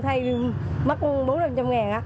thay mất bốn trăm linh ngàn ạ